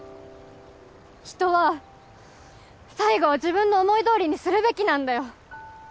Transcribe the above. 人は最後は自分の思いどおりにするべきなんだよ！